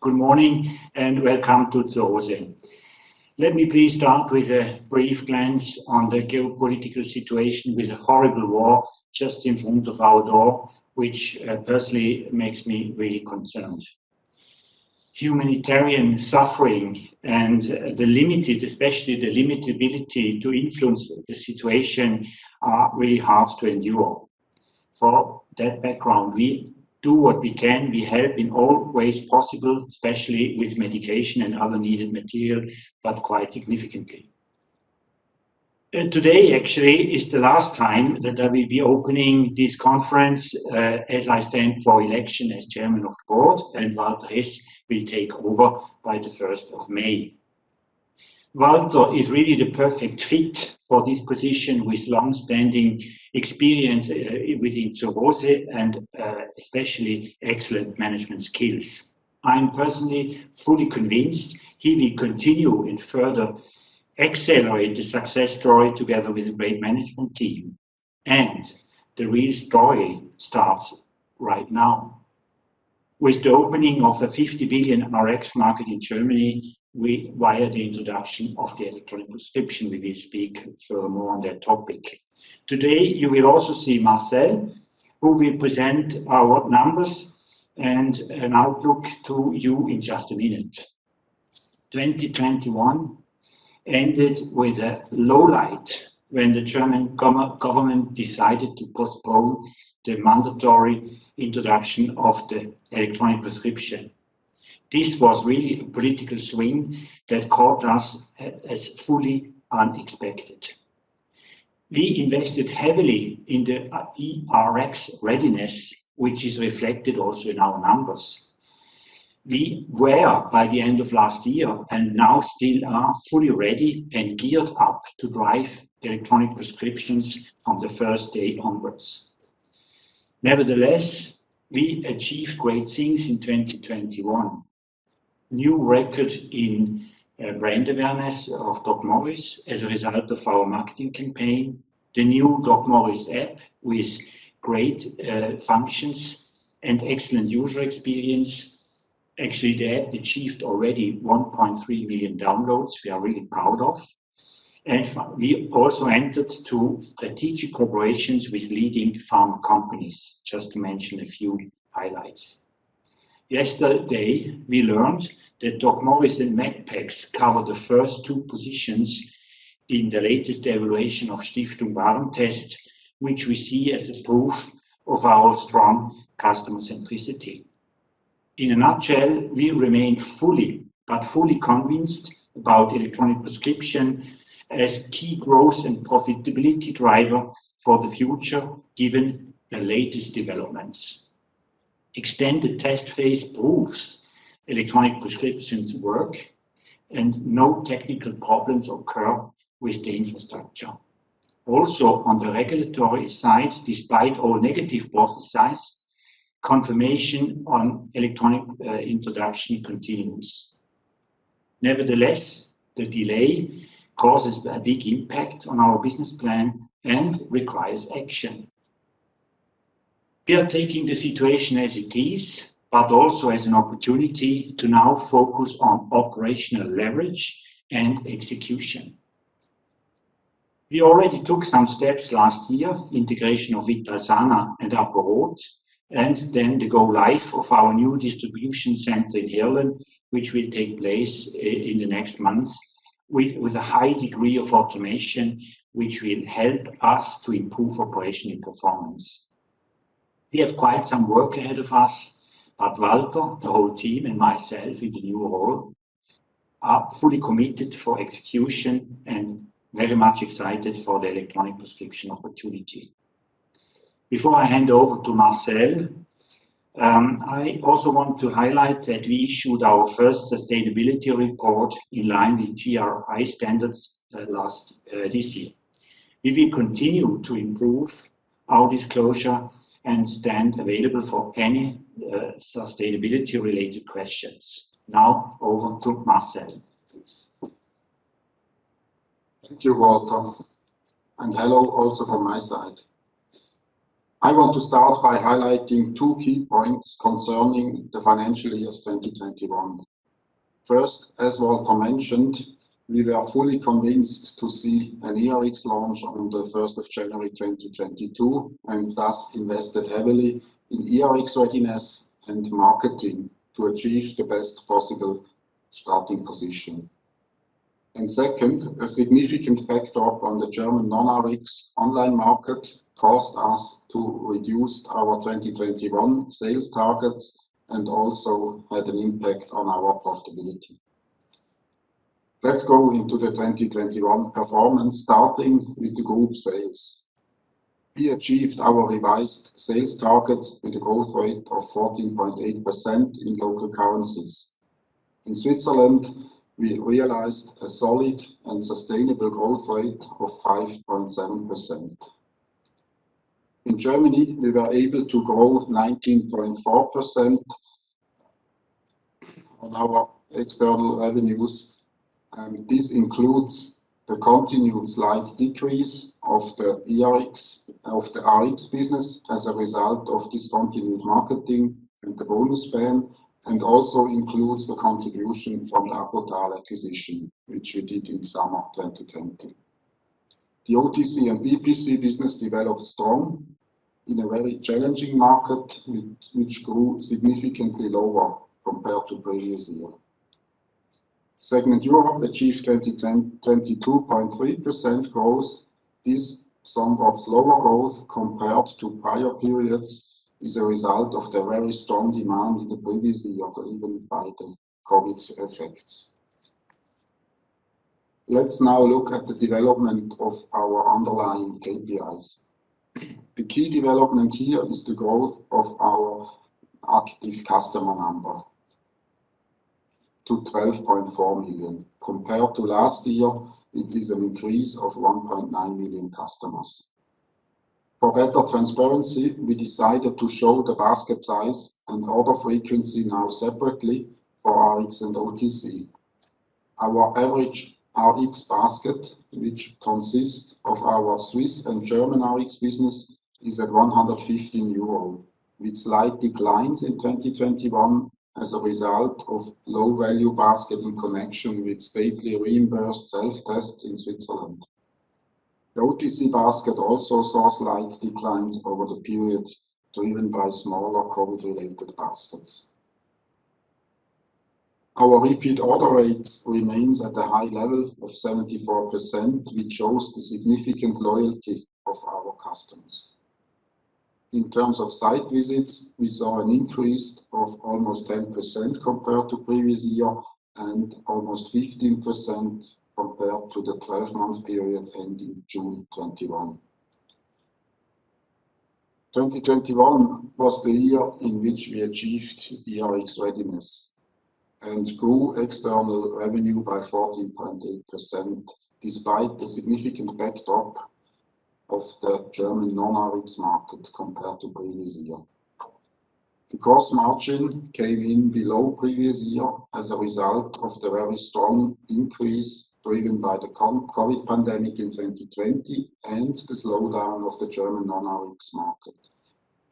Good morning, and welcome to Zur Rose. Let me please start with a brief glance on the geopolitical situation with a horrible war just in front of our door, which personally makes me really concerned. Humanitarian suffering and the limited, especially the limited ability to influence the situation are really hard to endure. For that background, we do what we can. We help in all ways possible, especially with medication and other needed material, but quite significantly. Today actually is the last time that I will be opening this conference, as I stand for election as chairman of board, and Walter Hess will take over by the first of May. Walter is really the perfect fit for this position with long-standing experience within Zur Rose and especially excellent management skills. I'm personally fully convinced he will continue and further accelerate the success story together with a great management team. The real story starts right now. With the opening of the 50 billion RX market in Germany, we via the introduction of the electronic prescription, we will speak furthermore on that topic. Today, you will also see Marcel, who will present our numbers and an outlook to you in just a minute. 2021 ended with a lowlight when the German government decided to postpone the mandatory introduction of the electronic prescription. This was really a political swing that caught us as fully unexpected. We invested heavily in the eRx readiness, which is reflected also in our numbers. We were, by the end of last year, and now still are, fully ready and geared up to drive electronic prescriptions from the first day onwards. Nevertheless, we achieved great things in 2021. New record in brand awareness of DocMorris as a result of our marketing campaign. The new DocMorris app with great functions and excellent user experience. Actually, the app achieved already 1.3 million downloads we are really proud of. We also entered two strategic operations with leading pharma companies, just to mention a few highlights. Yesterday, we learned that DocMorris and Medpex covered the first two positions in the latest evaluation of Stiftung Warentest, which we see as a proof of our strong customer centricity. In a nutshell, we remain fully convinced about electronic prescription as key growth and profitability driver for the future given the latest developments. Extended test phase proves electronic prescriptions work, and no technical problems occur with the infrastructure. On the regulatory side, despite all negative process, confirmation on electronic introduction continues. Nevertheless, the delay causes a big impact on our business plan and requires action. We are taking the situation as it is, but also as an opportunity to now focus on operational leverage and execution. We already took some steps last year, integration of Vitalsana and apo-rot, and then the go live of our new distribution center in Heerlen, which will take place in the next months with a high degree of automation, which will help us to improve operational performance. We have quite some work ahead of us, but Walter, the whole team and myself in the new role are fully committed for execution and very much excited for the electronic prescription opportunity. Before I hand over to Marcel, I also want to highlight that we issued our first sustainability report in line with GRI standards this year. We will continue to improve our disclosure and are available for any sustainability-related questions. Now over to Marcel, please. Thank you, Walter, and hello also from my side. I want to start by highlighting two key points concerning the financial years 2021. First, as Walter mentioned, we were fully convinced to see an eRx launch on the first of January 2022, and thus invested heavily in eRx readiness and marketing to achieve the best possible starting position. Second, a significant setback on the German non-Rx online market caused us to reduce our 2021 sales targets and also had an impact on our profitability. Let's go into the 2021 performance, starting with the group sales. We achieved our revised sales targets with a growth rate of 14.8% in local currencies. In Switzerland, we realized a solid and sustainable growth rate of 5.7%. In Germany, we were able to grow 19.4% on our external revenues. This includes the continued slight decrease of the RX business as a result of discontinued marketing and the bonus ban, and also includes the contribution from the Apotal acquisition, which we did in summer 2020. The OTC and BPC business developed strong in a very challenging market, which grew significantly lower compared to previous year. Segment Europe achieved 22.3% growth. This somewhat slower growth compared to prior periods is a result of the very strong demand in the previous year, driven by the COVID effects. Let's now look at the development of our underlying KPIs. The key development here is the growth of our active customer number to 12.4 million. Compared to last year, it is an increase of 1.9 million customers. For better transparency, we decided to show the basket size and order frequency now separately for RX and OTC. Our average RX basket, which consists of our Swiss and German RX business, is at 115 euro, with slight declines in 2021 as a result of low value basket in connection with state reimbursed self-tests in Switzerland. The OTC basket also saw slight declines over the period, driven by smaller COVID-related baskets. Our repeat order rate remains at a high level of 74%, which shows the significant loyalty of our customers. In terms of site visits, we saw an increase of almost 10% compared to previous year, and almost 15% compared to the twelve-month period ending June 2021. 2021 was the year in which we achieved ERX readiness and grew external revenue by 14.8% despite the significant backdrop of the German non-RX market compared to previous year. The gross margin came in below previous year as a result of the very strong increase driven by the COVID pandemic in 2020, and the slowdown of the German non-RX market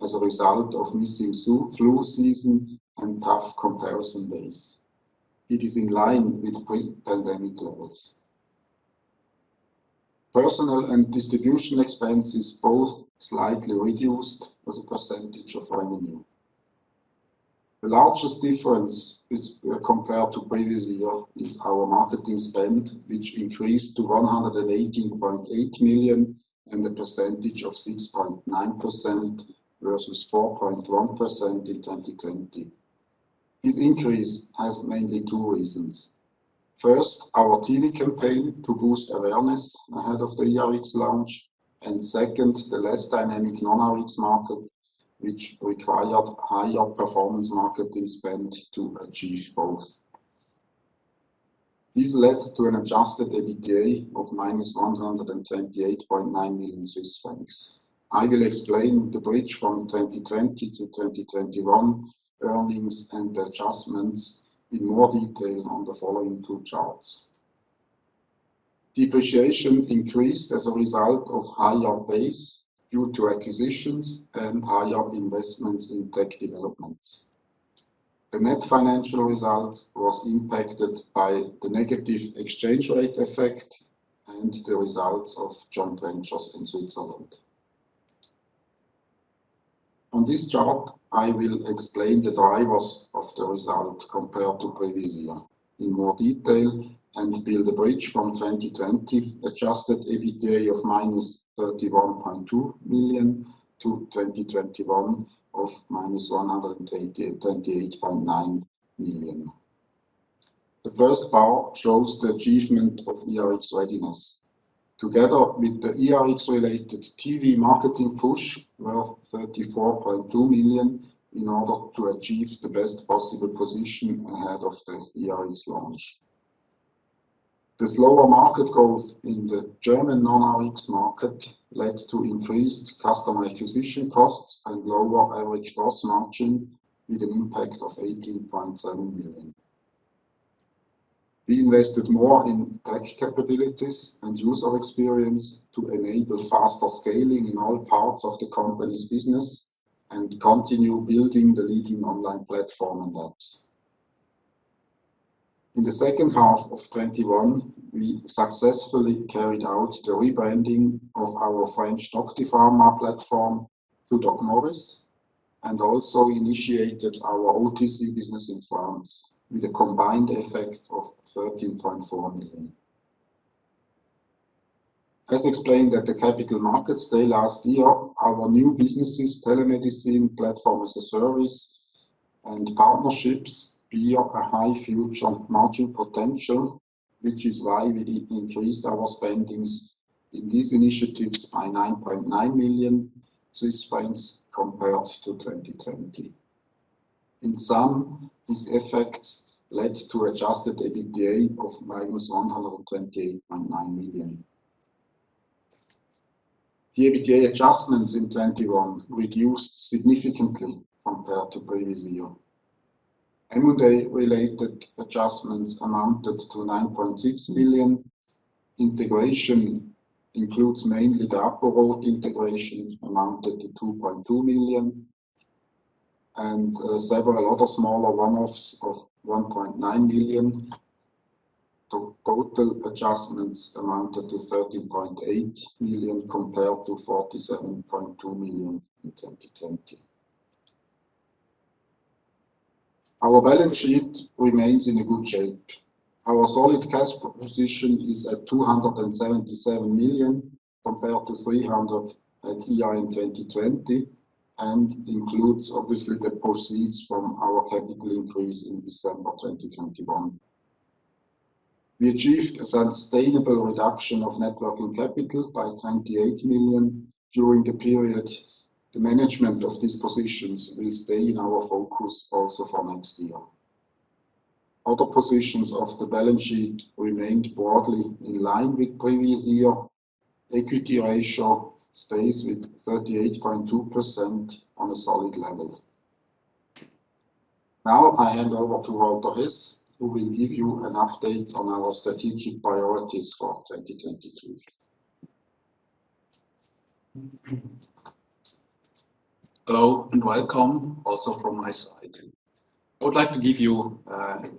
as a result of missing flu season and tough comparison base. It is in line with pre-pandemic levels. Personnel and distribution expenses both slightly reduced as a percentage of revenue. The largest difference compared to previous year is our marketing spend, which increased to 118.8 million and a percentage of 6.9% versus 4.1% in 2020. This increase has mainly two reasons. First, our TV campaign to boost awareness ahead of the eRx launch, and second, the less dynamic non-RX market, which required higher performance marketing spend to achieve both. This led to an Adjusted EBITDA of -128.9 million Swiss francs. I will explain the bridge from 2020 to 2021 earnings and adjustments in more detail on the following two charts. Depreciation increased as a result of higher base due to acquisitions and higher investments in tech developments. The net financial results was impacted by the negative exchange rate effect and the results of joint ventures in Switzerland. On this chart, I will explain the drivers of the result compared to previous year in more detail and build a bridge from 2020 Adjusted EBITDA of -31.2 million to 2021 of -128.9 million. The first bar shows the achievement of eRx readiness together with the eRx-related TV marketing push worth 34.2 million in order to achieve the best possible position ahead of the eRx launch. The slower market growth in the German non-RX market led to increased customer acquisition costs and lower average gross margin with an impact of 18.7 million. We invested more in tech capabilities and user experience to enable faster scaling in all parts of the company's business and continue building the leading online platform and apps. In the second half of 2021, we successfully carried out the rebranding of our French DoctiPharma platform to DocMorris, and also initiated our OTC business in France with a combined effect of 13.4 million. As explained at the Capital Markets Day last year, our new businesses, telemedicine platform as a service and partnerships bear a high future margin potential, which is why we increased our spending in these initiatives by 9.9 million Swiss francs compared to 2020. In sum, these effects led to Adjusted EBITDA of -128.9 million. The EBITDA adjustments in 2021 reduced significantly compared to previous year. M&A-related adjustments amounted to 9.6 million. Integration includes mainly the apo-rot integration amounted to 2.2 million, and several other smaller one-offs of 1.9 million. Total adjustments amounted to 13.8 million compared to 47.2 million in 2020. Our balance sheet remains in a good shape. Our solid cash position is at 277 million compared to 300 million at year-end 2020, and includes obviously the proceeds from our capital increase in December 2021. We achieved a sustainable reduction of net working capital by 28 million during the period. The management of these positions will stay in our focus also for next year. Other positions of the balance sheet remained broadly in line with previous year. Equity ratio stays with 38.2% on a solid level. Now I hand over to Walter Hess, who will give you an update on our strategic priorities for 2023. Hello and welcome also from my side. I would like to give you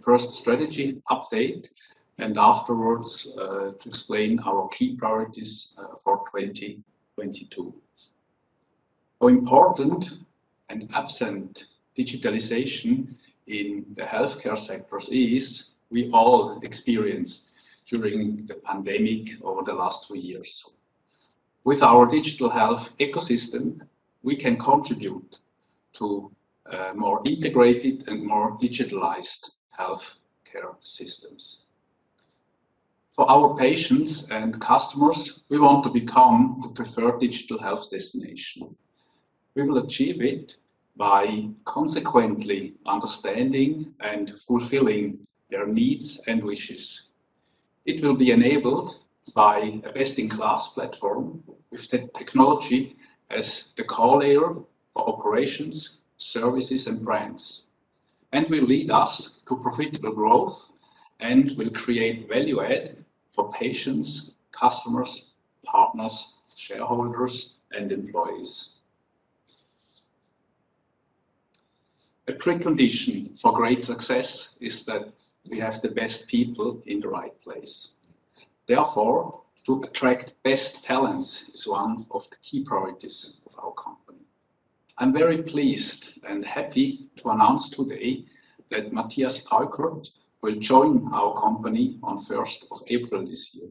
first strategy update and afterwards to explain our key priorities for 2022. How important and absent digitalization in the healthcare sectors is, we all experienced during the pandemic over the last three years. With our digital health ecosystem, we can contribute to more integrated and more digitalized healthcare systems. For our patients and customers, we want to become the preferred digital health destination. We will achieve it by consequently understanding and fulfilling their needs and wishes. It will be enabled by a best-in-class platform with the technology as the core layer for operations, services, and brands, and will lead us to profitable growth and will create value add for patients, customers, partners, shareholders, and employees. A precondition for great success is that we have the best people in the right place. Therefore, to attract best talents is one of the key priorities of our company. I'm very pleased and happy to announce today that Matthias Peuckert will join our company on first of April this year.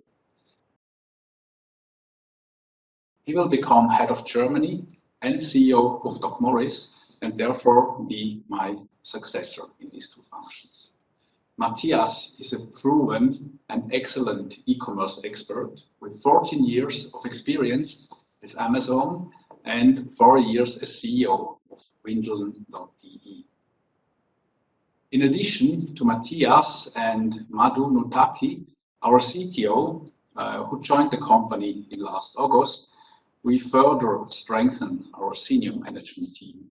He will become Head of Germany and CEO of DocMorris, and therefore be my successor in these two functions. Matthias is a proven and excellent e-commerce expert with 14 years of experience with Amazon and 4 years as CEO of windeln.de. In addition to Matthias and Madhu Nutakki, our CTO, who joined the company in last August, we further strengthen our senior management team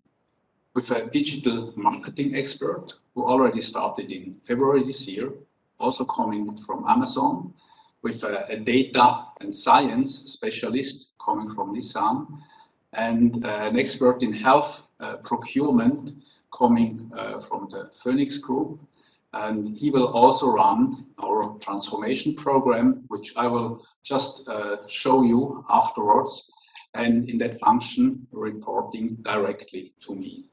with a digital marketing expert who already started in February this year, also coming from Amazon, with a data and science specialist coming from Nissan, and an expert in health procurement coming from the PHOENIX group. He will also run our transformation program, which I will just show you afterwards, and in that function, reporting directly to me.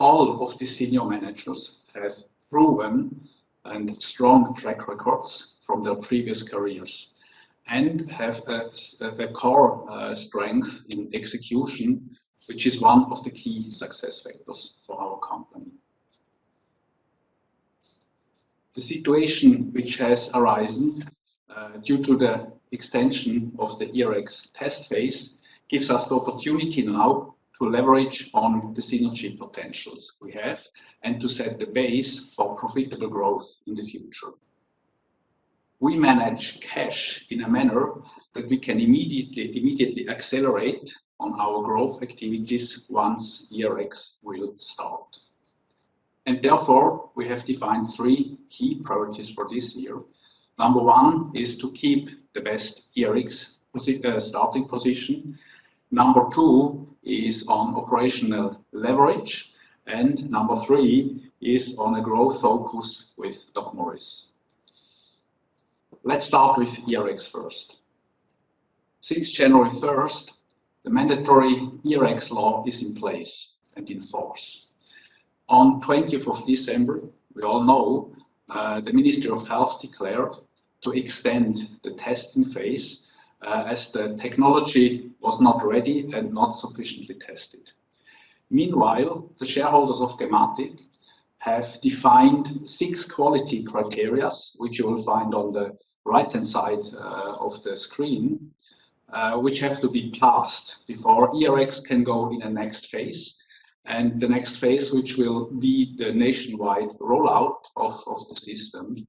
All of the senior managers have proven and strong track records from their previous careers and have a core strength in execution, which is one of the key success factors for our company. The situation which has arisen due to the extension of the eRx test phase gives us the opportunity now to leverage on the synergy potentials we have and to set the base for profitable growth in the future. We manage cash in a manner that we can immediately accelerate on our growth activities once eRx will start. Therefore, we have defined three key priorities for this year. Number one is to keep the best eRx starting position. Number two is on operational leverage. Number three is on a growth focus with DocMorris. Let's start with eRx first. Since January 1, the mandatory eRx law is in place and in force. On December 20, we all know, the Ministry of Health declared to extend the testing phase, as the technology was not ready and not sufficiently tested. Meanwhile, the shareholders of Gematik have defined six quality criteria, which you will find on the right-hand side, of the screen, which have to be passed before eRx can go in a next phase. The next phase, which will be the nationwide rollout of the system,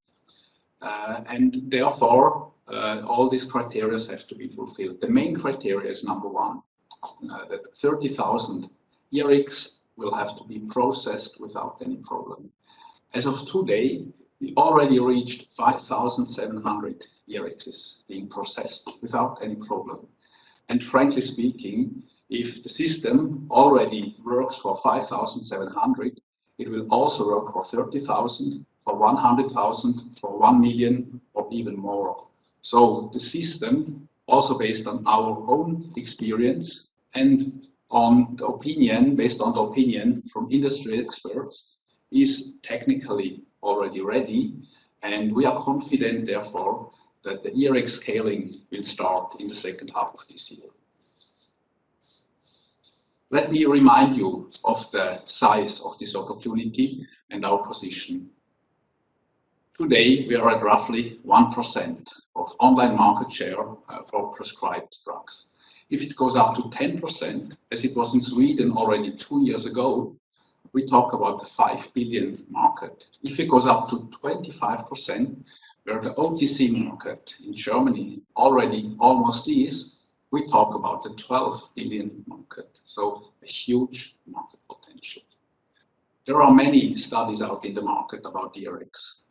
and therefore, all these criteria have to be fulfilled. The main criteria is, number one, that 30,000 eRx will have to be processed without any problem. As of today, we already reached 5,700 eRx being processed without any problem. Frankly speaking, if the system already works for 5,700, it will also work for 30,000, for 100,000, for 1 million, or even more. The system, also based on our own experience and on the opinion from industry experts, is technically already ready, and we are confident therefore that the eRx scaling will start in the second half of this year. Let me remind you of the size of this opportunity and our position. Today, we are at roughly 1% of online market share, for prescribed drugs. If it goes up to 10%, as it was in Sweden already two years ago, we talk about a 5 billion market. If it goes up to 25%, where the OTC market in Germany already almost is, we talk about a 12 billion market, so a huge market potential. There are many studies out in the market about eRX.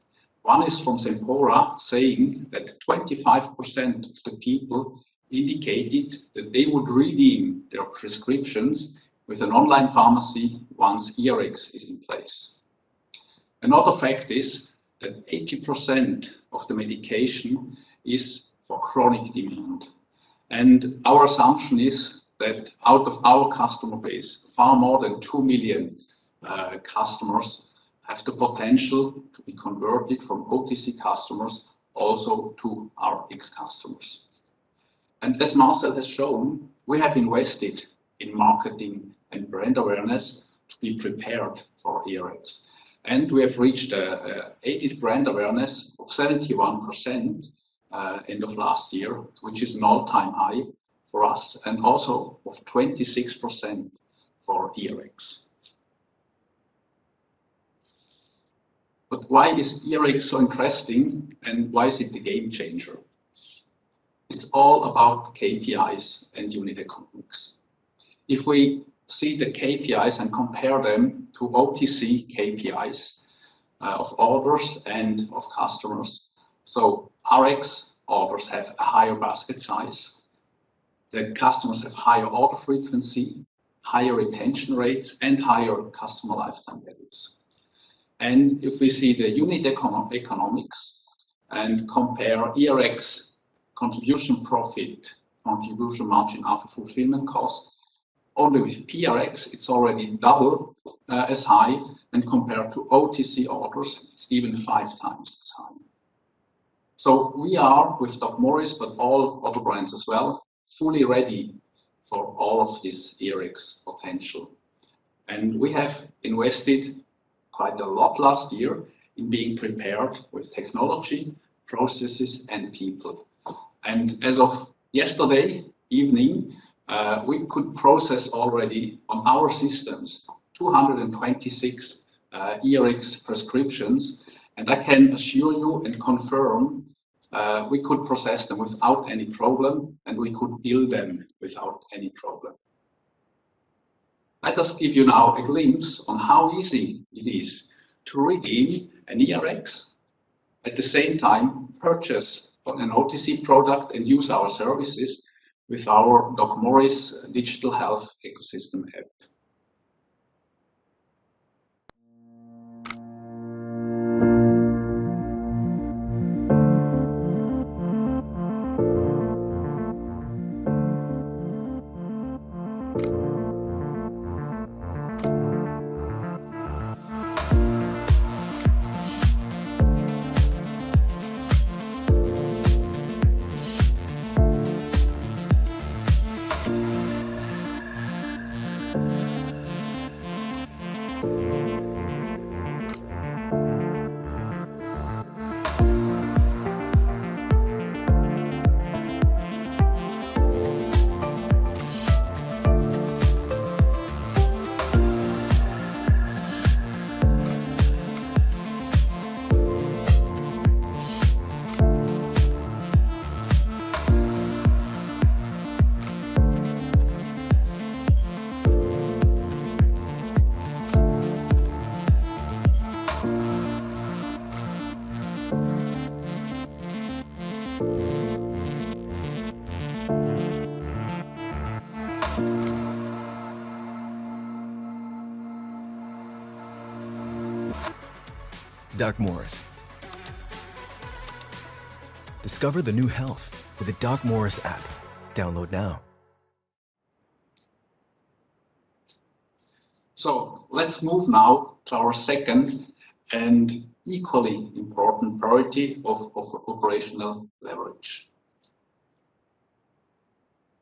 One is from Sempora saying that 25% of the people indicated that they would redeem their prescriptions with an online pharmacy once eRX is in place. Another fact is that 80% of the medication is for chronic demand. Our assumption is that out of our customer base, far more than 2 million customers have the potential to be converted from OTC customers also to Rx customers. As Marcel has shown, we have invested in marketing and brand awareness to be prepared for eRX. We have reached aided brand awareness of 71%, end of last year, which is an all-time high for us, and also of 26% for eRx. Why is eRx so interesting, and why is it the game changer? It's all about KPIs and unit economics. If we see the KPIs and compare them to OTC KPIs, of orders and of customers, Rx orders have a higher basket size. The customers have higher order frequency, higher retention rates, and higher customer lifetime values. If we see the unit economics and compare eRx contribution profit, contribution margin after fulfillment cost, only with pRx, it's already double as high, and compared to OTC orders, it's even five times as high. We are with DocMorris, but all other brands as well, fully ready for all of this eRx potential. We have invested quite a lot last year in being prepared with technology, processes, and people. As of yesterday evening, we could process already on our systems 226 eRX prescriptions. I can assure you and confirm, we could process them without any problem, and we could bill them without any problem. Let us give you now a glimpse on how easy it is to redeem an eRX, at the same time purchase on an OTC product and use our services with our DocMorris digital health ecosystem app. DocMorris. Discover the new health with the DocMorris app. Download now. Let's move now to our second and equally important priority of operational leverage.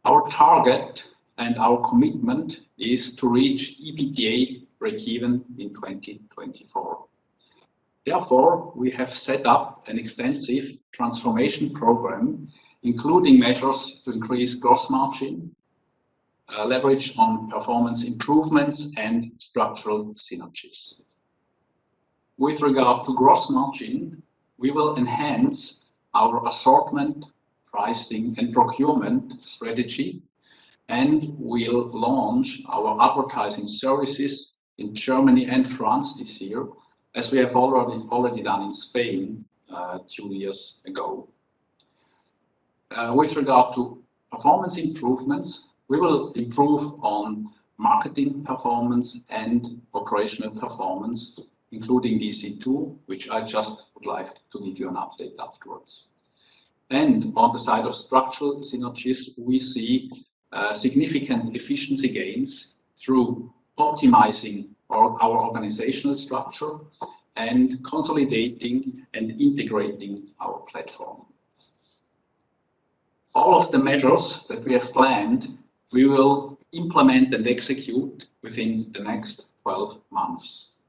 Our target and our commitment is to reach EBITDA breakeven in 2024. Therefore, we have set up an extensive transformation program, including measures to increase gross margin, leverage on performance improvements and structural synergies. With regard to gross margin, we will enhance our assortment, pricing and procurement strategy, and we'll launch our advertising services in Germany and France this year, as we have already done in Spain, two years ago. With regard to performance improvements, we will improve on marketing performance and operational performance, including DC-2, which I just would like to give you an update afterwards. On the side of structural synergies, we see significant efficiency gains through optimizing our organizational structure and consolidating and integrating our platform. All of the measures that we have planned, we will implement and execute within the next 12 months.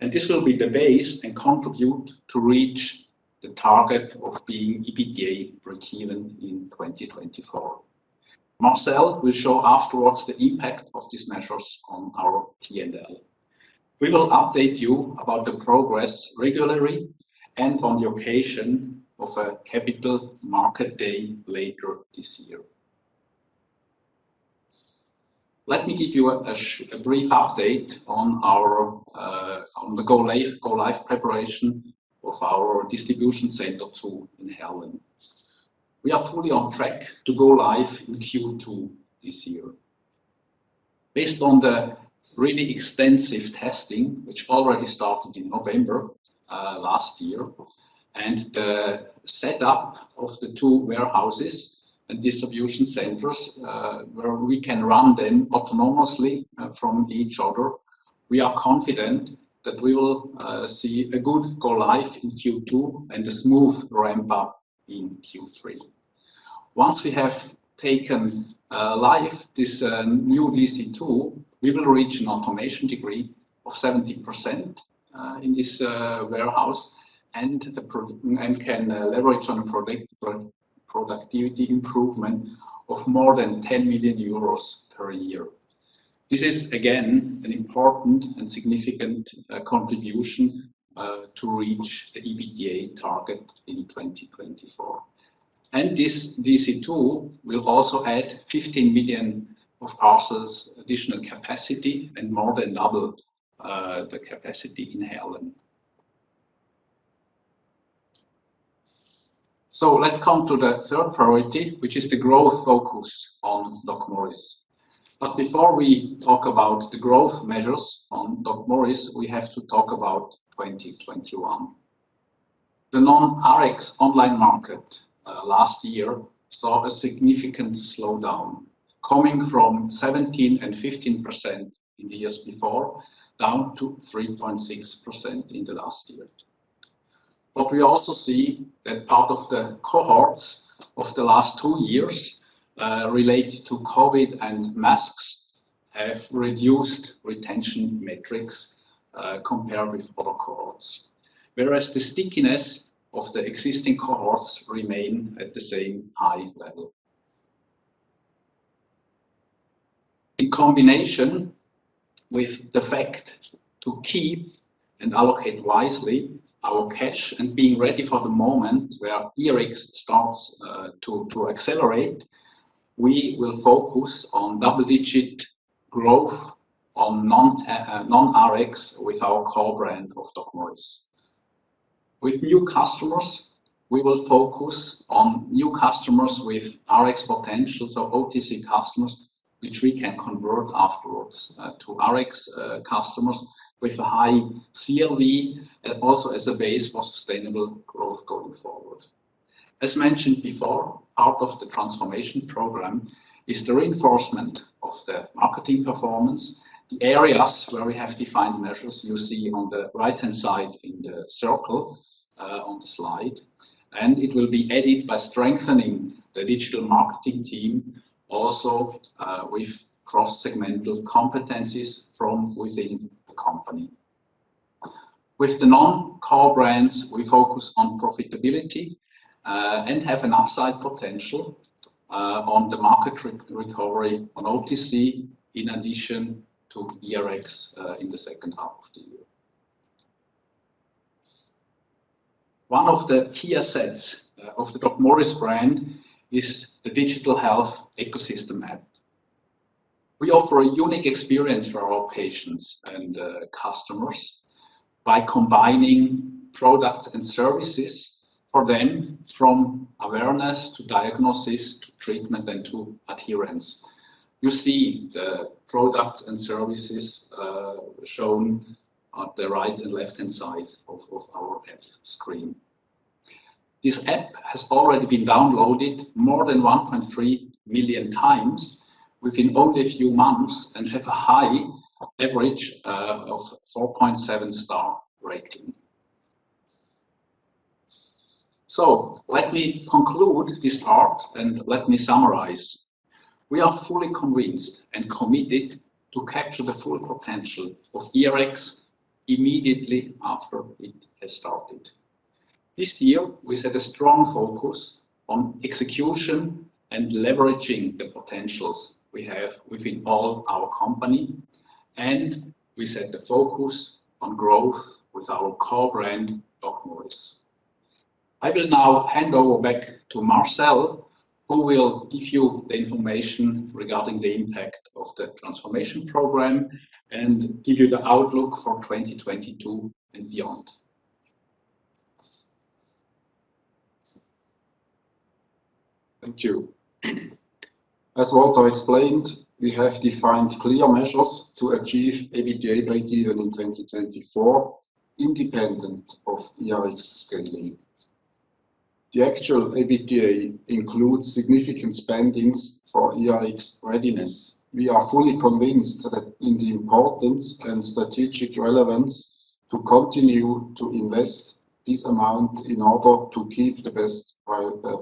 This will be the base and contribute to reach the target of being EBITDA breakeven in 2024. Marcel will show afterwards the impact of these measures on our PNL. We will update you about the progress regularly and on the occasion of a Capital Markets Day later this year. Let me give you a brief update on the go live preparation of our distribution center two in Heerlen. We are fully on track to go live in Q2 this year. Based on the really extensive testing which already started in November last year, and the set up of the two warehouses and distribution centers where we can run them autonomously from each other, we are confident that we will see a good go live in Q2 and a smooth ramp up in Q3. Once we have taken live this new DC2, we will reach an automation degree of 70% in this warehouse and can leverage on a productivity improvement of more than 10 million euros per year. This is again an important and significant contribution to reach the EBITDA target in 2024. This DC2 will also add 15 million of parcels additional capacity and more than double the capacity in Heerlen. Let's come to the third priority, which is the growth focus on DocMorris. Before we talk about the growth measures on DocMorris, we have to talk about 2021. The non-Rx online market last year saw a significant slowdown coming from 17% and 15% in the years before down to 3.6% in the last year. We also see that part of the cohorts of the last two years, related to COVID and masks have reduced retention metrics, compared with other cohorts. Whereas the stickiness of the existing cohorts remain at the same high level. In combination with the fact to keep and allocate wisely our cash and being ready for the moment where eRx starts to accelerate, we will focus on double-digit growth on non-Rx with our core brand of DocMorris. With new customers, we will focus on new customers with Rx potential, so OTC customers which we can convert afterwards to Rx customers with a high CLV, also as a base for sustainable growth going forward. As mentioned before, part of the transformation program is the reinforcement of the marketing performance. The areas where we have defined measures you see on the right-hand side in the circle, on the slide, and it will be added by strengthening the digital marketing team also, with cross-segmental competencies from within the company. With the non-core brands, we focus on profitability, and have an upside potential, on the market recovery on OTC in addition to eRx, in the second half of the year. One of the key assets of the DocMorris brand is the digital health ecosystem app. We offer a unique experience for our patients and customers by combining products and services for them from awareness to diagnosis to treatment and to adherence. You see the products and services shown on the right and left-hand side of our app screen. This app has already been downloaded more than 1.3 million times within only a few months and have a high average of 4.7 star rating. Let me conclude this part and let me summarize. We are fully convinced and committed to capture the full potential of eRx immediately after it has started. This year, we set a strong focus on execution and leveraging the potentials we have within all our company, and we set the focus on growth with our core brand, DocMorris. I will now hand over back to Marcel, who will give you the information regarding the impact of the transformation program and give you the outlook for 2022 and beyond. Thank you. As Walter Hess explained, we have defined clear measures to achieve EBITDA breakeven in 2024, independent of eRx scaling. The actual EBITDA includes significant spending for eRx readiness. We are fully convinced of the importance and strategic relevance to continue to invest this amount in order to keep the best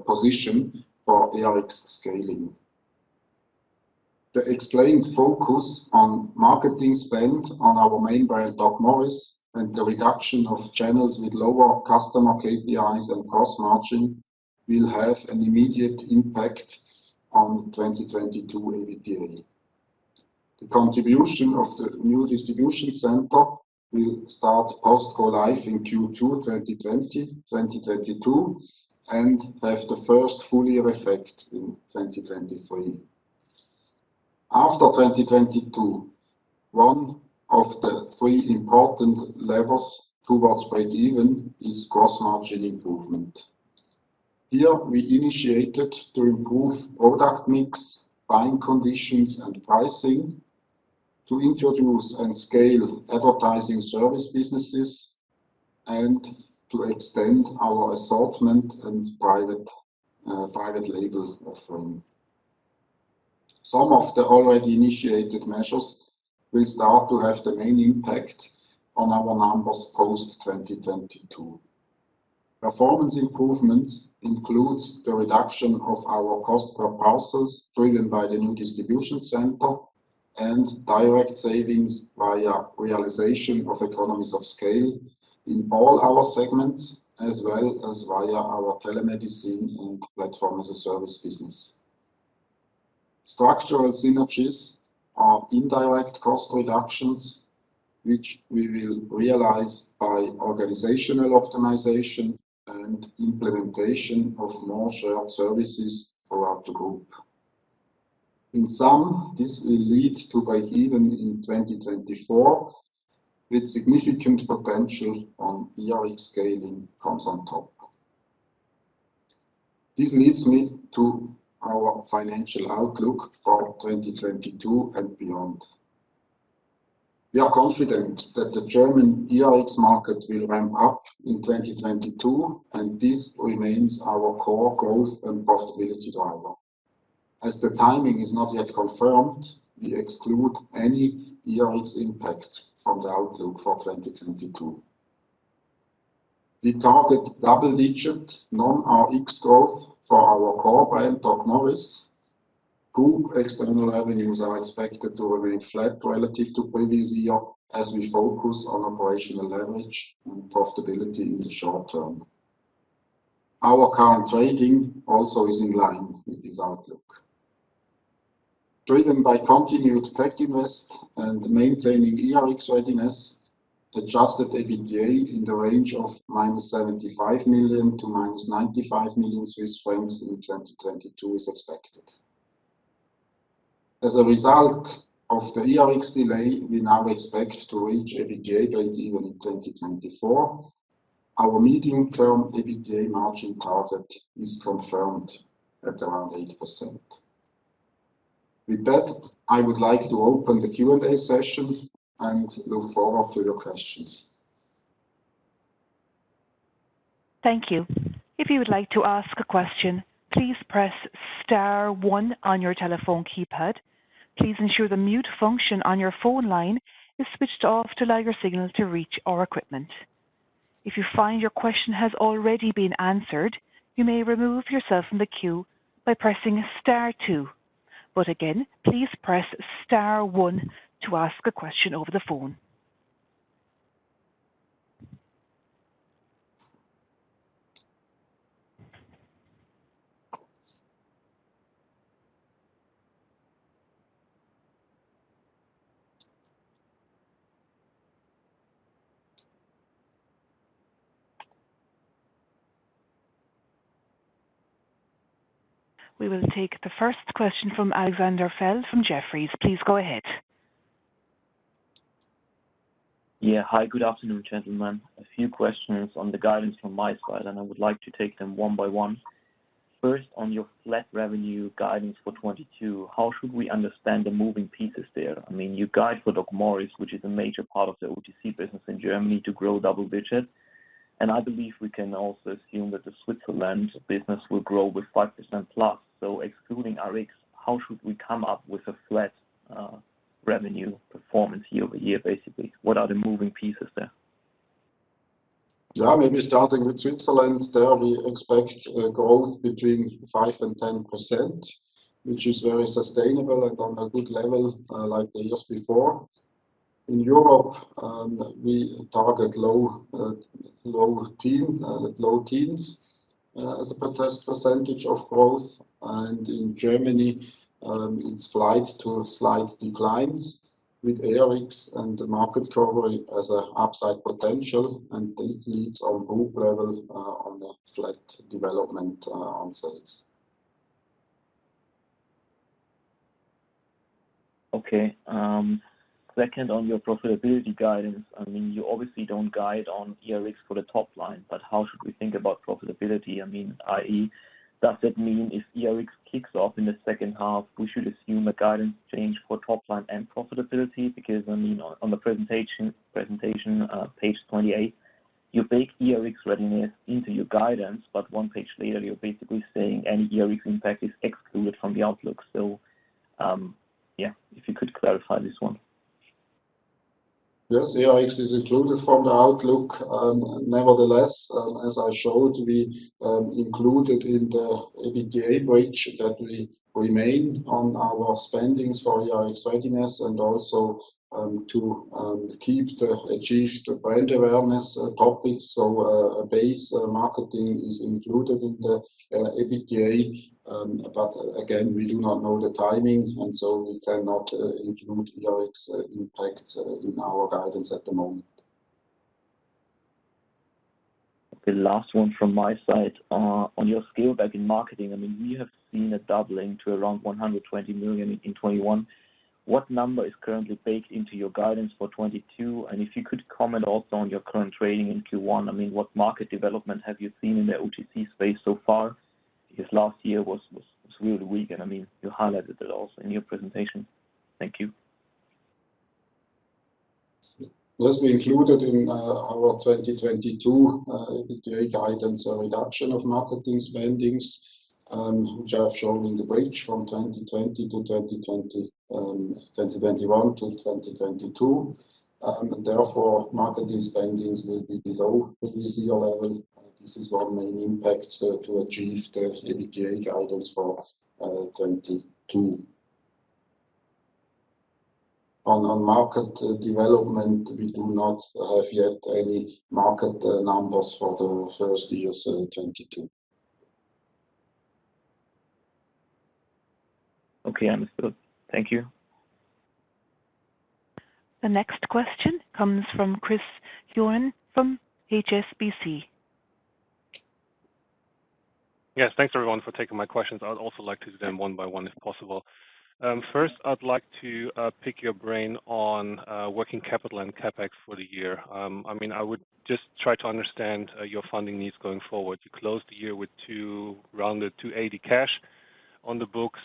position for eRx scaling. The explained focus on marketing spend on our main brand, DocMorris, and the reduction of channels with lower customer KPIs and gross margin will have an immediate impact on 2022 EBITDA. The contribution of the new distribution center will start post go-live in Q2 2022, and have the first full year effect in 2023. After 2022, one of the three important levers towards breakeven is gross margin improvement. Here, we initiated to improve product mix, buying conditions, and pricing to introduce and scale advertising service businesses and to extend our assortment and private label offering. Some of the already initiated measures will start to have the main impact on our numbers post 2022. Performance improvements includes the reduction of our cost per parcels, driven by the new distribution center, and direct savings via realization of economies of scale in all our segments, as well as via our telemedicine and platform as a service business. Structural synergies are indirect cost reductions, which we will realize by organizational optimization and implementation of more shared services throughout the group. In sum, this will lead to breakeven in 2024, with significant potential on eRx scaling comes on top. This leads me to our financial outlook for 2022 and beyond. We are confident that the German eRx market will ramp up in 2022, and this remains our core growth and profitability driver. As the timing is not yet confirmed, we exclude any eRx impact from the outlook for 2022. We target double-digit non-RX growth for our core brand, DocMorris. Group external revenues are expected to remain flat relative to previous year as we focus on operational leverage and profitability in the short term. Our current trading also is in line with this outlook. Driven by continued tech invest and maintaining eRx readiness, Adjusted EBITDA in the range of -75 million--95 million Swiss francs in 2022 is expected. As a result of the eRx delay, we now expect to reach EBITDA breakeven in 2024. Our medium-term EBITDA margin target is confirmed at around 8%. With that, I would like to open the Q&A session and look forward to your questions. Thank you. If you would like to ask a question, please press star one on your telephone keypad. Please ensure the mute function on your phone line is switched off to allow your signal to reach our equipment. If you find your question has already been answered, you may remove yourself from the queue by pressing star two. But again, please press star one to ask a question over the phone. We will take the first question from Alexander Thiel from Jefferies. Please go ahead. Yeah. Hi, good afternoon, gentlemen. A few questions on the guidance from my side, and I would like to take them one by one. First, on your flat revenue guidance for 2022, how should we understand the moving pieces there? I mean, you guide for DocMorris, which is a major part of the OTC business in Germany, to grow double digits, and I believe we can also assume that the Switzerland business will grow with 5%+. Excluding RX, how should we come up with a flat revenue performance year over year, basically? What are the moving pieces there? Yeah, maybe starting with Switzerland. There, we expect growth between 5%-10%, which is very sustainable and on a good level, like the years before. In Europe, we target low teens as a projected percentage of growth. In Germany, it's slight declines with eRx and the market recovery as an upside potential. This leads on group level to a flat development on sales. Okay. Second on your profitability guidance. I mean, you obviously don't guide on eRx for the top line, but how should we think about profitability? I mean, i.e., does it mean if eRx kicks off in the second half, we should assume a guidance change for top line and profitability? Because, I mean, on the presentation, page 28, you bake eRx readiness into your guidance, but one page later, you're basically saying any eRx impact is excluded from the outlook. Yeah, if you could clarify this one? Yes, eRx is excluded from the outlook. Nevertheless, as I showed, we included in the EBITDA bridge that we remain on our spending for eRx readiness and also to keep the achieved brand awareness topic. A base marketing is included in the EBITDA. Again, we do not know the timing, and so we cannot include eRx impacts in our guidance at the moment. The last one from my side. On your scale back in marketing, I mean, we have seen a doubling to around 120 million in 2021. What number is currently baked into your guidance for 2022? And if you could comment also on your current trading in Q1, I mean, what market development have you seen in the OTC space so far? Because last year was really weak, and I mean, you highlighted it also in your presentation. Thank you. Yes, we included in our 2022 EBITDA guidance a reduction of marketing spending, which I have shown in the bridge from 2020-2021-2022. Therefore, marketing spending will be below the 2021 level. This is one main impact to achieve the EBITDA guidance for 2022. On market development, we do not yet have any market numbers for the first quarter of 2022. Okay. Understood. Thank you. The next question comes from Chris Huon from HSBC. Yes. Thanks everyone for taking my questions. I would also like to do them one by one if possible. First, I'd like to pick your brain on working capital and CapEx for the year. I mean, I would just try to understand your funding needs going forward. You closed the year with two rounded 280 cash on the books.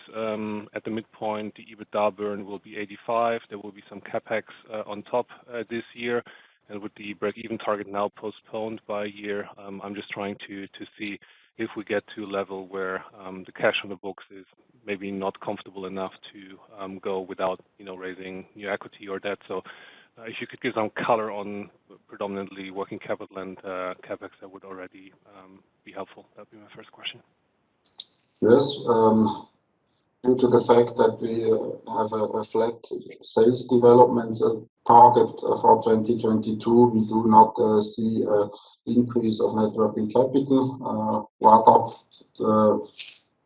At the midpoint, the EBITDA burn will be 85. There will be some CapEx on top this year. With the breakeven target now postponed by a year, I'm just trying to see if we get to a level where the cash on the books is maybe not comfortable enough to go without, you know, raising new equity or debt. If you could give some color on predominantly working capital and CapEx, that would already be helpful. That'd be my first question. Yes. Due to the fact that we have a flat sales development target for 2022, we do not see an increase of net working capital. In part,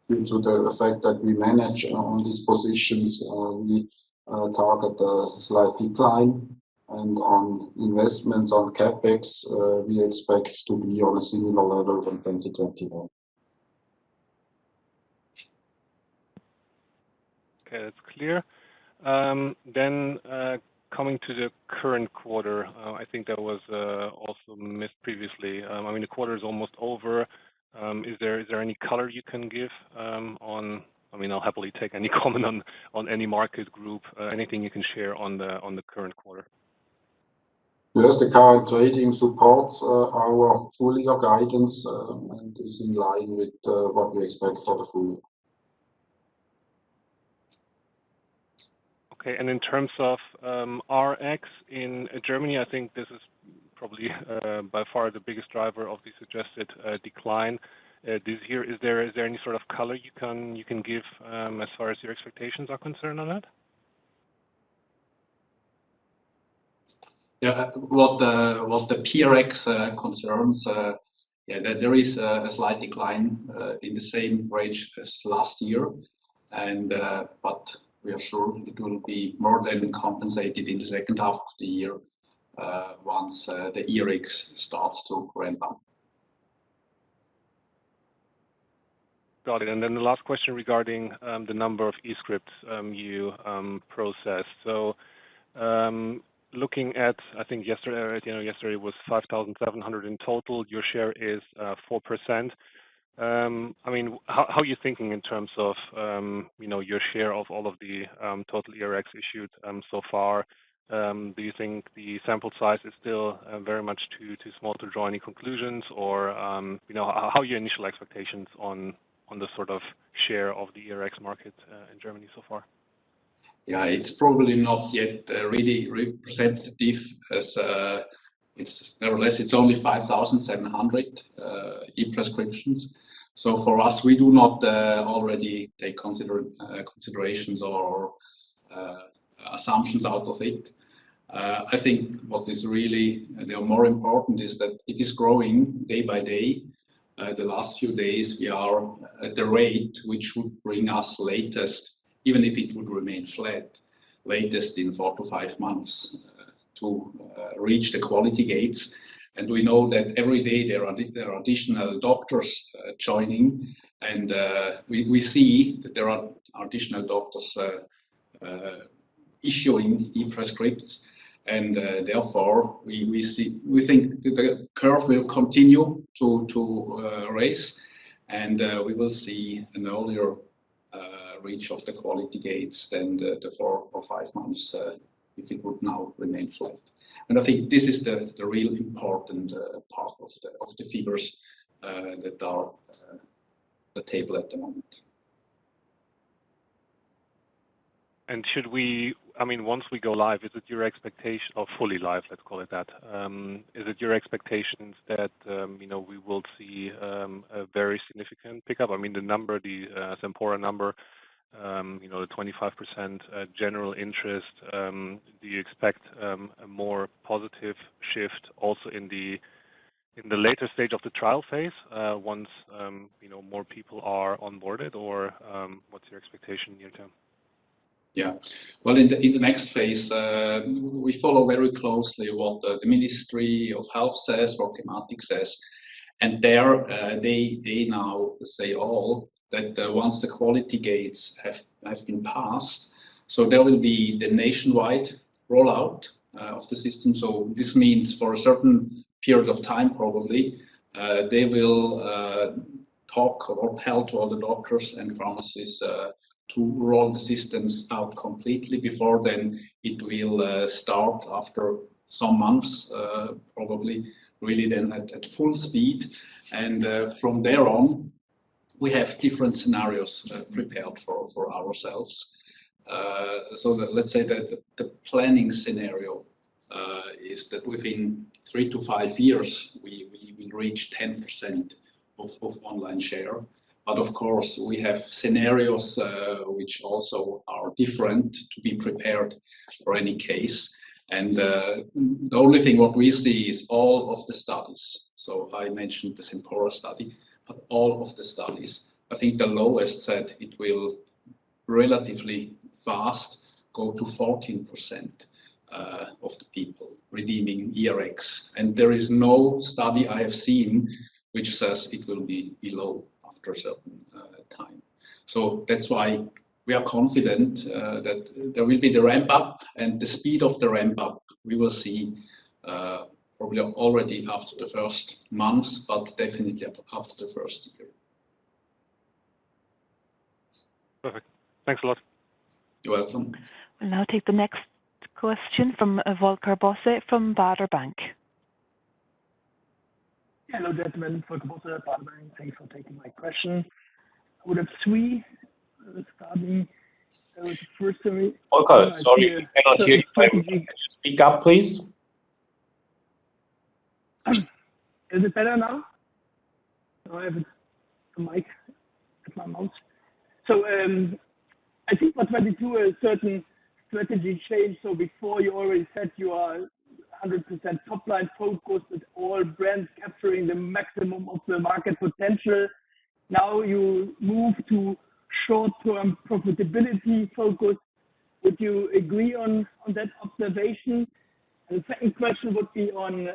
due to the fact that we manage on these positions, we target a slight decline. On investments on CapEx, we expect to be on a similar level to 2021. Okay. That's clear. Coming to the current quarter, I think that was also missed previously. I mean, the quarter is almost over. Is there any color you can give. I mean, I'll happily take any comment on any market group. Anything you can share on the current quarter. Yes. The current trading supports our full-year guidance, and is in line with what we expect for the full year. Okay. In terms of Rx in Germany, I think this is probably by far the biggest driver of the suggested decline this year. Is there any sort of color you can give as far as your expectations are concerned on that? Yeah. With the pRx concerns, yeah, there is a slight decline in the same range as last year. We are sure it will be more than compensated in the second half of the year once the eRx starts to ramp up. Got it. Then the last question regarding the number of eRx you processed. Looking at, I think yesterday, or at the end of yesterday, it was 5,700 in total. Your share is 4%. I mean, how are you thinking in terms of, you know, your share of all of the total eRx issued so far? Do you think the sample size is still very much too small to draw any conclusions? Or, you know, how are your initial expectations on the sort of share of the eRx market in Germany so far? Yeah. It's probably not yet really representative as, Nevertheless, it's only 5,700 e-prescriptions. For us, we do not already take considerations or assumptions out of it. I think what is really, you know, more important is that it is growing day by day. The last few days, we are at the rate which would bring us latest, even if it would remain flat, latest in 4-5 months to reach the quality gates. We know that every day there are additional doctors joining. We see that there are additional doctors issuing e-prescriptions. Therefore we think the curve will continue to rise. We will see an earlier reach of the quality gates than the 4-5 months if it would now remain flat. I think this is the real important part of the figures that are the table at the moment. Should we? I mean, once we go live, is it your expectation or fully live, let's call it that. Is it your expectations that, you know, we will see a very significant pickup? I mean, the number, the Sempora number, you know, the 25% general interest, do you expect a more positive shift also in the later stage of the trial phase, once you know, more people are onboarded? Or, what's your expectation near term? Yeah. Well, in the next phase, we follow very closely what the Ministry of Health says, what gematik says. There, they now say all that once the quality gates have been passed, so there will be the nationwide rollout of the system. This means for a certain period of time probably, they will talk or tell to all the doctors and pharmacists to roll the systems out completely before then it will start after some months, probably really then at full speed. From there on, we have different scenarios prepared for ourselves. Let's say that the planning scenario is that within three to five years, we will reach 10% of online share. Of course, we have scenarios, which also are different to be prepared for any case. The only thing what we see is all of the studies. I mentioned the Sempora study. All of the studies, I think the lowest said it will relatively fast go to 14% of the people redeeming eRx. There is no study I have seen which says it will be below after a certain time. That's why we are confident that there will be the ramp up. The speed of the ramp up, we will see, probably already after the first months, but definitely after the first year. Perfect. Thanks a lot. You're welcome. We'll now take the next question from Volker Bosse from Baader Bank. Hello, gentlemen. Volker Bosse, Baader Bank. Thanks for taking my question. I would have three, starting, first story. Volker, sorry, we cannot hear you very well. Can you speak up, please? Is it better now? Now I have the mic at my mouth. I think for 2022 a certain strategy change. Before you already said you are 100% top line focused with all brands capturing the maximum of the market potential. Now you move to short-term profitability focus. Would you agree on that observation? The second question would be on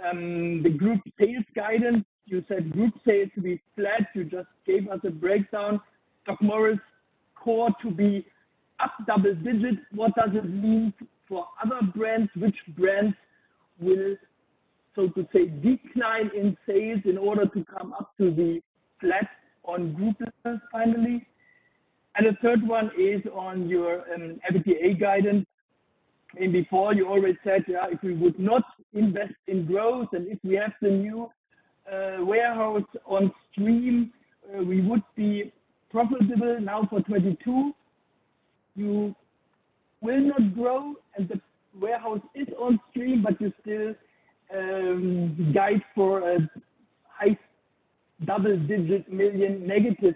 the group sales guidance. You said group sales will be flat. You just gave us a breakdown. DocMorris core to be up double digits. What does it mean for other brands? Which brands will, so to say, decline in sales in order to come up to the flat on group sales finally? The third one is on your EBITDA guidance. I mean, before you already said, yeah, if we would not invest in growth and if we have the new warehouse on stream, we would be profitable now for 2022. You will not grow and the warehouse is on stream, but you still guide for a high double-digit million negative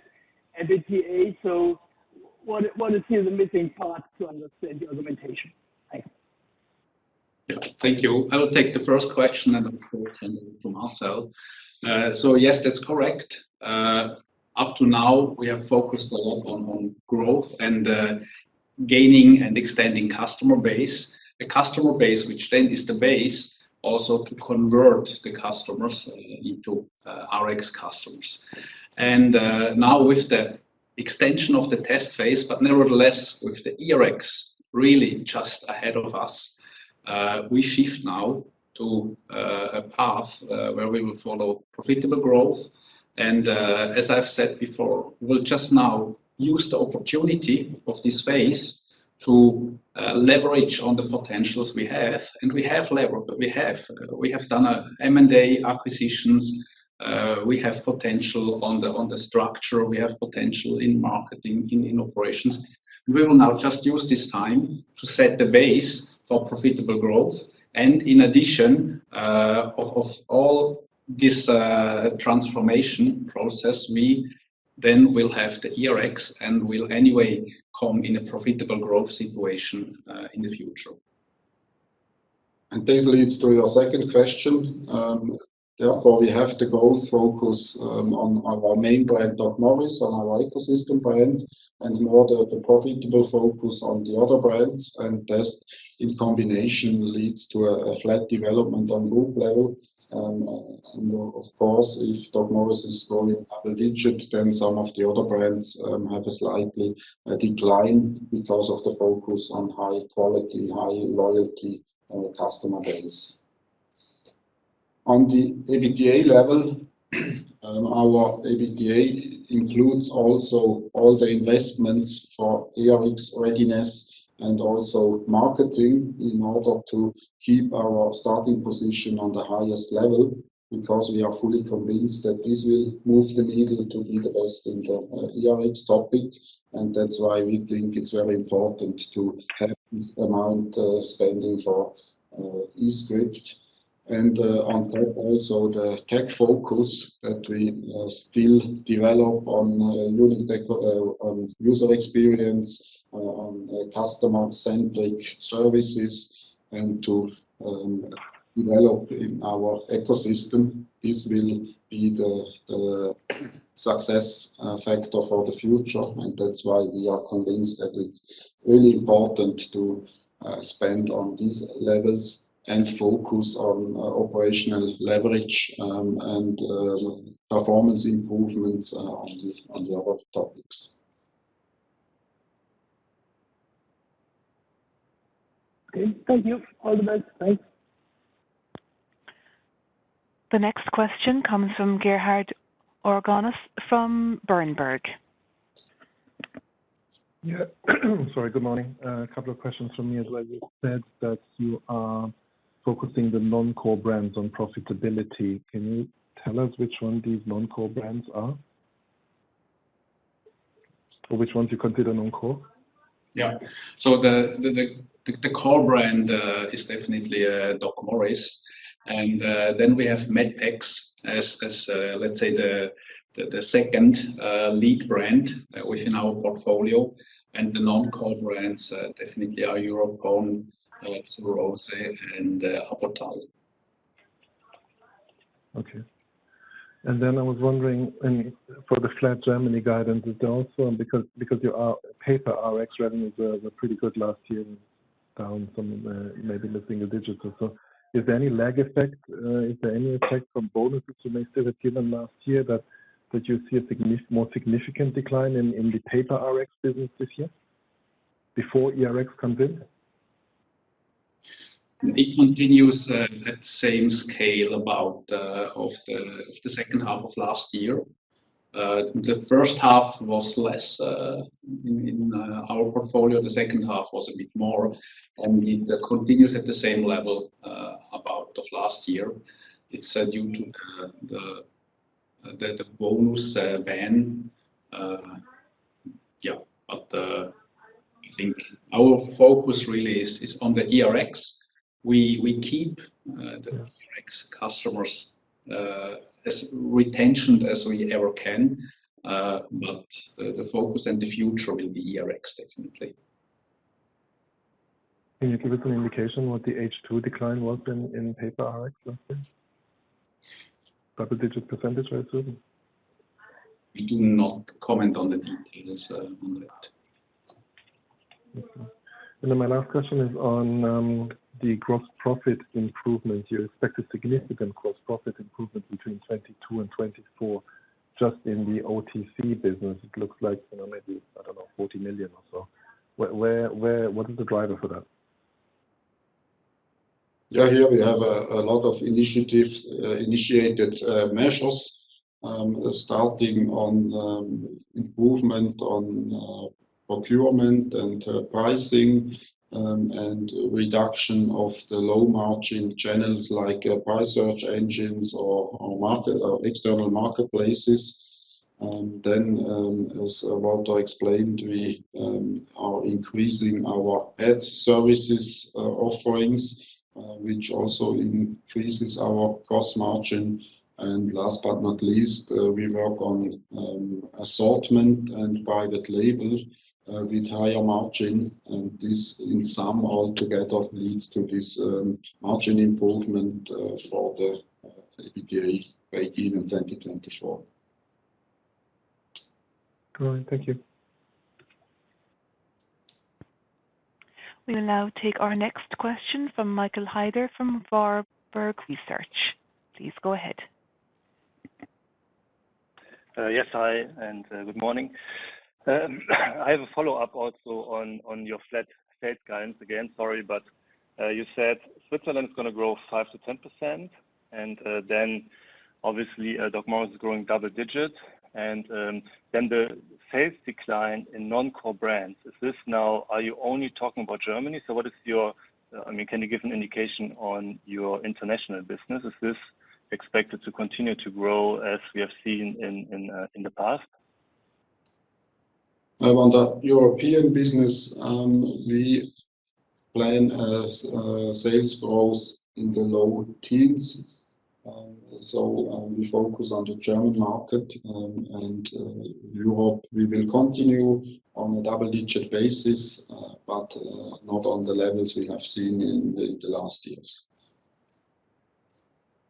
EBITDA. What is here the missing part to understand the argumentation? Thanks. Yeah. Thank you. I will take the first question, and of course hand over to Marcel. Yes, that's correct. Up to now, we have focused a lot on growth and gaining and extending customer base. A customer base which then is the base also to convert the customers into Rx customers. Now with the extension of the test phase, but nevertheless, with the eRx really just ahead of us, we shift now to a path where we will follow profitable growth. As I've said before, we'll just now use the opportunity of this phase to leverage on the potentials we have. We have done a M&A acquisitions. We have potential on the structure, we have potential in marketing, in operations. We will now just use this time to set the base for profitable growth and in addition, of all this transformation process, we then will have the eRx and will anyway come in a profitable growth situation in the future. This leads to your second question. Therefore, we have to focus on our main brand, DocMorris, on our ecosystem brand, and in order to profitably focus on the other brands, and this in combination leads to a flat development on group level. Of course, if DocMorris is growing double digits, then some of the other brands have a slight decline because of the focus on high quality, high loyalty customer base. On the EBITDA level, our EBITDA includes also all the investments for eRx readiness and also marketing in order to keep our starting position on the highest level because we are fully convinced that this will move the needle to be the best in the eRx topic. That's why we think it's very important to have this amount spending for eScript. On top, also the tech focus that we still develop on user experience, on customer-centric services, and to develop in our ecosystem. This will be the success factor for the future. That's why we are convinced that it's really important to spend on these levels and focus on operational leverage and performance improvements on the other topics. Okay. Thank you. All the best. Thanks. The next question comes from Gerhard Orgonas from Berenberg. Yeah. Sorry, good morning. A couple of questions from me as well. You said that you are focusing the non-core brands on profitability. Can you tell us which one these non-core brands are? Or which ones you consider non-core? The core brand is definitely DocMorris. We have medpex as let's say the second lead brand within our portfolio. The non-core brands definitely are Eurapon, apo-rot and Apotal. Okay. I was wondering, and for the flat Germany guidance is also because your paper Rx revenues were pretty good last year, down from maybe the single digits or so. Is there any lag effect? Is there any effect from bonuses you may still have given last year that you see a more significant decline in the paper Rx business this year before eRx comes in? It continues at the same scale about of the second half of last year. The first half was less in our portfolio. The second half was a bit more, and it continues at the same level about of last year. It's due to the bonus ban. I think our focus really is on the eRx. We keep the Rx customers as retentioned as we ever can. The focus and the future will be eRx, definitely. Can you give us an indication what the H2 decline was in paper Rx then? Double-digit percentage, right? We do not comment on the details on that. Okay. My last question is on the gross profit improvement. You expect a significant gross profit improvement between 2022 and 2024 just in the OTC business. It looks like, you know, maybe, I don't know, 40 million or so. What is the driver for that? Yeah. Here we have a lot of initiatives initiated measures starting on improvement on procurement and pricing and reduction of the low margin channels like price search engines or external marketplaces. Then, as Walter explained, we are increasing our ad services offerings which also increases our gross margin. Last but not least, we work on assortment and private label with higher margin. This in sum all together leads to this margin improvement for the EBITDA by even 2024. All right. Thank you. We will now take our next question from Michael Heider from Warburg Research. Please go ahead. Yes. Hi and good morning. I have a follow-up also on your flat sales guidance. Again, sorry, but you said Switzerland is gonna grow 5%-10%, and then obviously DocMorris is growing double digits. Then the sales decline in non-core brands, is this now? Are you only talking about Germany? What is your I mean, can you give an indication on your international business? Is this expected to continue to grow as we have seen in the past? I wonder, European business, we plan a sales growth in the low teens. We focus on the German market, and we hope we will continue on a double-digit basis, but not on the levels we have seen in the last years.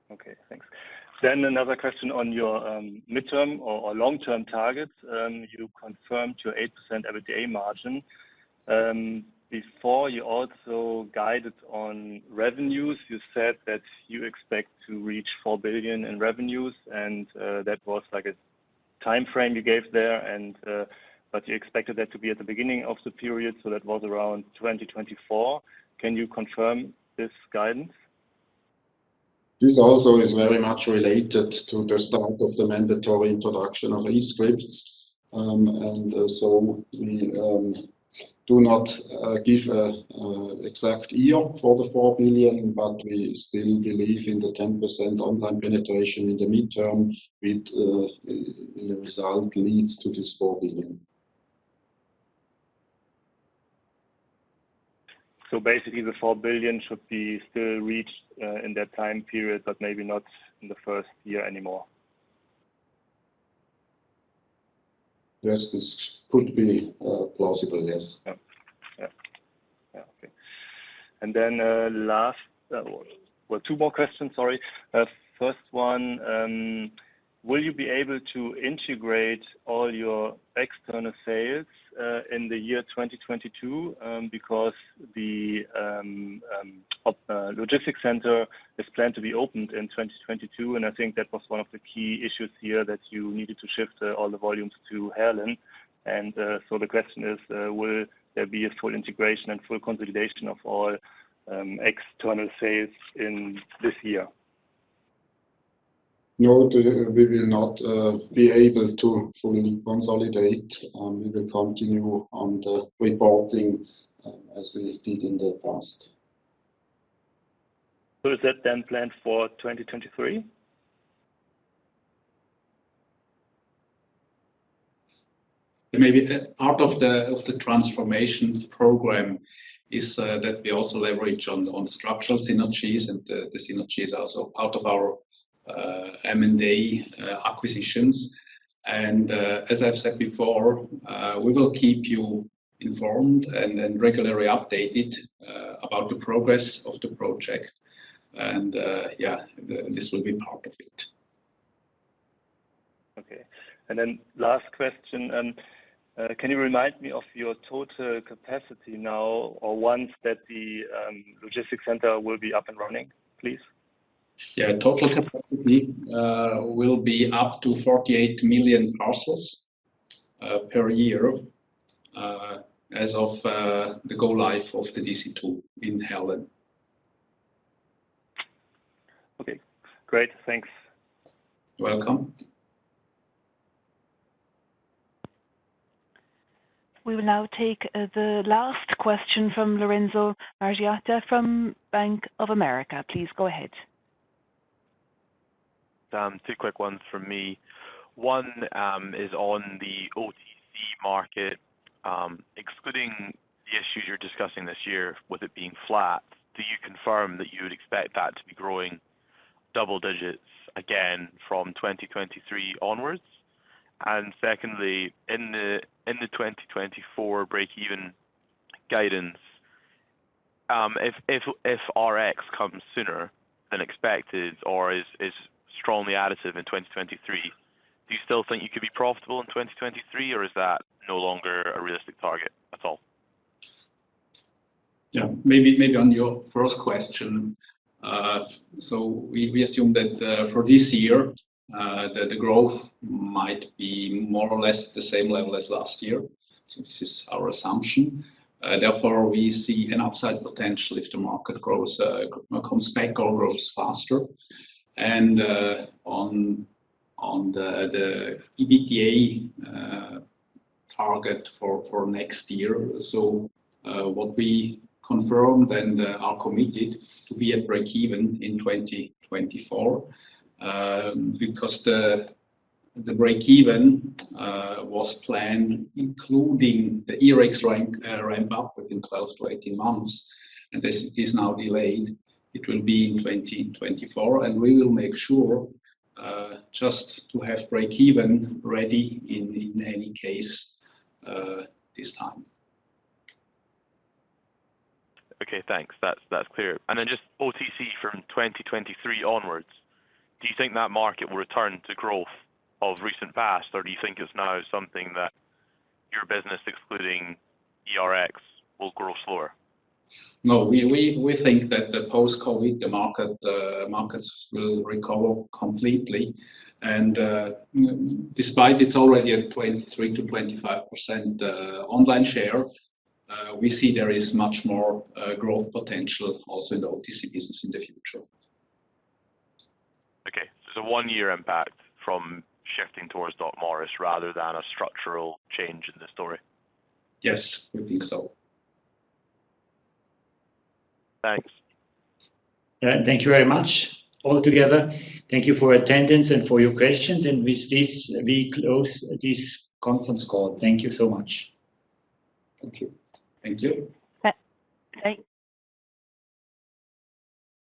Okay, thanks. Another question on your midterm or long-term targets. You confirmed your 8% EBITDA margin. Before you also guided on revenues, you said that you expect to reach 4 billion in revenues and that was like a timeframe you gave there and but you expected that to be at the beginning of the period, so that was around 2024. Can you confirm this guidance? This also is very much related to the start of the mandatory introduction of e-scripts. We do not give an exact year for the 4 billion, but we still believe in the 10% online penetration in the medium term with the result leads to this 4 billion. Basically the 4 billion should be still reached in that time period, but maybe not in the first year anymore. Yes, this could be plausible. Yes. Yeah. Okay. Then, last, well, two more questions, sorry. First one, will you be able to integrate all your external sales in the year 2022, because the logistic center is planned to be opened in 2022, and I think that was one of the key issues here that you needed to shift all the volumes to Heerlen. So the question is, will there be a full integration and full consolidation of all external sales in this year? No, we will not be able to fully consolidate. We will continue on the reporting as we did in the past. Is that then planned for 2023? Part of the transformation program is that we also leverage on the structural synergies and the synergies are also part of our M&A acquisitions. As I've said before, we will keep you informed and then regularly updated about the progress of the project. Yeah, this will be part of it. Okay. Last question. Can you remind me of your total capacity now or once the logistics center will be up and running, please? Yeah. Total capacity will be up to 48 million parcels per year as of the go live of the DC2 in Heerlen. Okay, great. Thanks. Welcome. We will now take the last question from Lorenzo Margiotta from Bank of America. Please go ahead. Two quick ones from me. One is on the OTC market. Excluding the issues you're discussing this year, with it being flat, do you confirm that you would expect that to be growing double digits again from 2023 onwards? Secondly, in the 2024 break even guidance, if Rx comes sooner than expected or is strongly additive in 2023, do you still think you could be profitable in 2023, or is that no longer a realistic target at all? Yeah. Maybe on your first question. We assume that for this year, the growth might be more or less the same level as last year. This is our assumption. Therefore, we see an upside potential if the market grows, comes back or grows faster. On the EBITDA target for next year, what we confirmed and are committed to be at break-even in 2024, because the break-even was planned including the eRx ramp-up within close to 18 months, and this is now delayed. It will be in 2024, and we will make sure just to have break-even ready in any case this time. Okay, thanks. That's clear. Just OTC from 2023 onwards, do you think that market will return to growth of recent past, or do you think it's now something that your business excluding eRx will grow slower? No, we think that the post-COVID markets will recover completely and, despite its already at 23%-25% online share, we see there is much more growth potential also in the OTC business in the future. Okay. One year impact from shifting towards DocMorris rather than a structural change in the story. Yes. We think so. Thanks. Yeah. Thank you very much all together. Thank you for attendance and for your questions. With this, we close this conference call. Thank you so much. Thank you. Thank you. Thank.